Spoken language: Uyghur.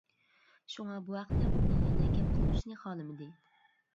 شۇڭا، بۇ ھەقتە ئۇنى يەنە گەپ قىلدۇرۇشنى خالىمىدى.